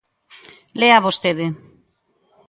Léaa vostede.